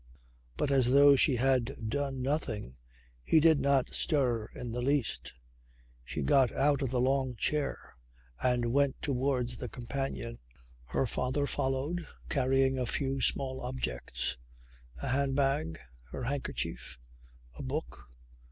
But as though she had done nothing he did not stir in the least. She got out of the long chair and went towards the companion. Her father followed carrying a few small objects, a handbag, her handkerchief, a book.